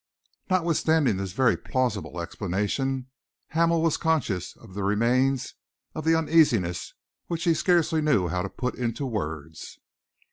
Notwithstanding this very plausible explanation, Hamel was conscious of the remains of an uneasiness which he scarcely knew how to put into words.